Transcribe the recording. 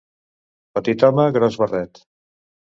Petit home, gros barret.